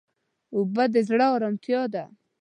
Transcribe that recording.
اوبه د زړه ارامتیا ده.